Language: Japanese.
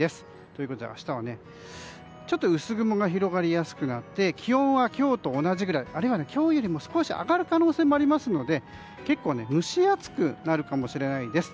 ということで明日はちょっと薄曇が広がりやすくなって気温は今日と同じくらいあるいは今日より少し上がる可能性もありますので、結構蒸し暑くなるかもしれないです。